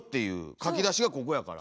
書き出しがここやから。